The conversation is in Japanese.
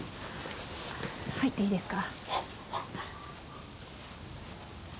入っていいですか？